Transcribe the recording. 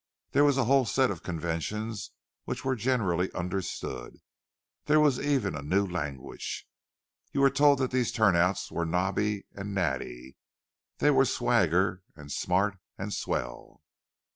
There was a whole set of conventions which were generally understood—there was even a new language. You were told that these "turnouts" were "nobby" and "natty"; they were "swagger" and "smart" and "swell."